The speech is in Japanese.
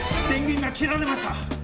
電源が切られました。